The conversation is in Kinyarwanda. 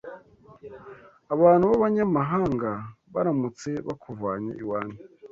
abantu b’abanyamahanga baramutse bakuvanye iwanyu